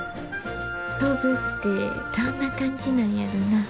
飛ぶってどんな感じなんやろな。